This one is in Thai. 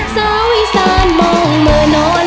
สาววิสานมองเมอร์นอน